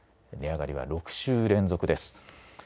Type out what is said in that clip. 値上がりは６週連続です。